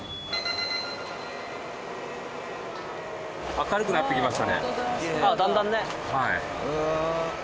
明るくなってきましたね。